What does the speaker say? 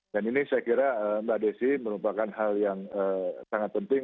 dan ini saya kira mbak desi merupakan hal yang sangat penting